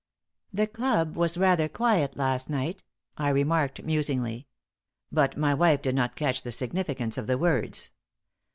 "The club was rather quiet last night," I remarked, musingly; but my wife did not catch the significance of the words.